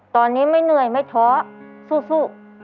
ตอนนี้ไม่เหนื่อยไม่ท้อสู้